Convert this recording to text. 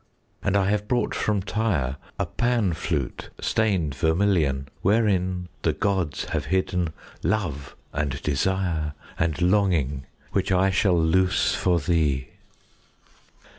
10 And I have brought from Tyre A Pan flute stained vermilion, Wherein the gods have hidden Love and desire and longing, Which I shall loose for thee.